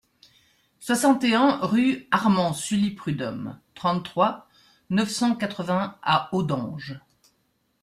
soixante et un rue Armand Sully Prudhomme, trente-trois, neuf cent quatre-vingts à Audenge